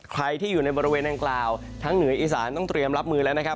ใครที่อยู่ในบริเวณดังกล่าวทั้งเหนืออีสานต้องเตรียมรับมือแล้วนะครับ